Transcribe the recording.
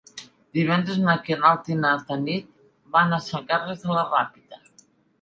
Divendres na Queralt i na Tanit van a Sant Carles de la Ràpita.